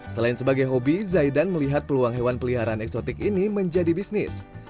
selain sebagai hobi zaidan melihat peluang hewan peliharaan eksotik ini menjadi bisnis